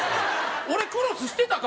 俺クロスしてたか？